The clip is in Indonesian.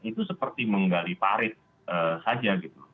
itu seperti menggali parit saja gitu